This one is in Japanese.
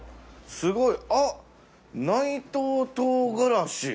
すごいあっ内藤とうがらし。